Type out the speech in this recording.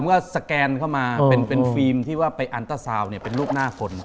ผมก็สแกนเข้ามาเป็นเป็นฟิล์มที่ว่าไปอันเตอร์ซาวน์เนี่ยเป็นลูกหน้าคน